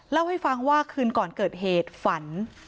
เล่าให้ฟังว่าคืนก่อนเกิดเหตุฝัน